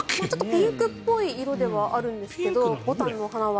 ピンクっぽい色ではあるんですけど、ボタンの花は。